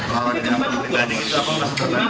ya kalau dari saya pribadi sangat membantu sekali